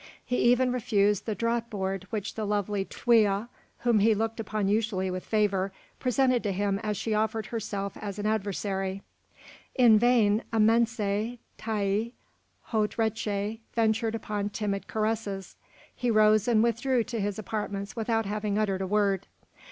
He even refused the draught board which the lovely Twea, whom he looked upon usually with favour, presented to him as she offered herself as an adversary. In vain Amense, Taïa, Hont Reché ventured upon timid caresses. He rose and withdrew to his apartments without having uttered a word.